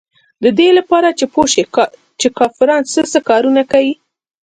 د دې دپاره چې پوې شي چې کافران سه سه کارونه کيي.